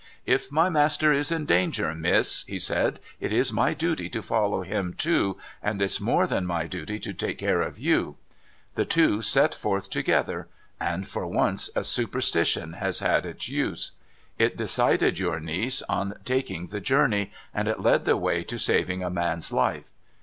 " If my master is in danger, miss," he said, " it's my duty to follow him, too ; and it's more than my duty to take care of you." The two set forth together— and, for once, a superstition has had its use. It decided your niece on taking the journey; and it led the way to saving a man's life.